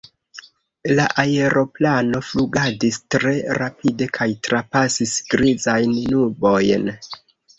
La aeroplano flugadis tre rapide kaj trapasis grizajn nubojn.